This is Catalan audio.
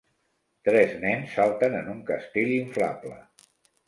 Tres nens salten en un castell inflable.